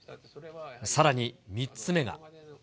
さらに３つ目が。